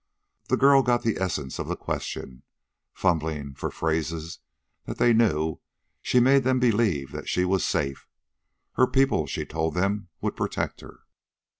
The girl got the essence of the question. Fumbling for phrases that they knew, she made them believe that she was safe. Her people, she told them, would protect her.